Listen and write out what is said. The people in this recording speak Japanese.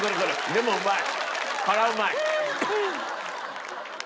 でもうまい。